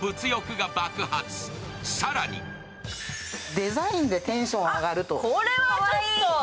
デザインでテンション上がると。